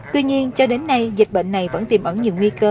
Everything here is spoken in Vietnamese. tuy nhiên cho đến nay dịch bệnh này vẫn tìm ẩn nhiều nguy cơ